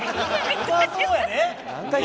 うまそうやで？」